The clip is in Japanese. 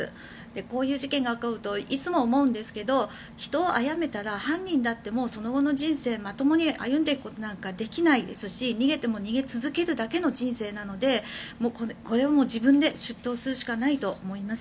こういう事件が起こるといつも思うんですが人を殺めたら犯人だってその後の人生まともに歩んでいくことなんかできないですし逃げても逃げ続けるだけの人生なのでこれは自分で出頭するしかないと思います。